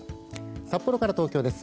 札幌から東京です。